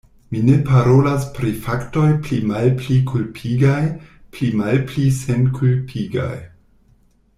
Mi ne parolas pri faktoj pli malpli kulpigaj, pli malpli senkulpigaj.